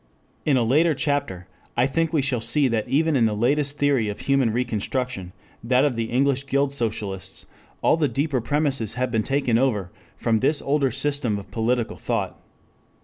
In a later chapter I think we shall see that even in the latest theory of human reconstruction, that of the English Guild Socialists, all the deeper premises have been taken over from this older system of political thought.